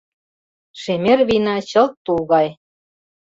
Шемер вийна чылт тул гай.